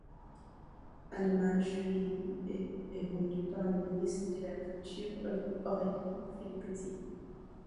Un hommage lui est rendu par le ministre de la culture Aurélie Filippetti.